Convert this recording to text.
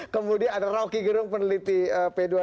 kemudian ada roky gerung peneliti p dua d